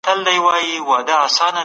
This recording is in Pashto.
پاکه هوا په خونه کي پرېږدئ.